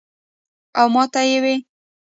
او ماته ئې وې ـ "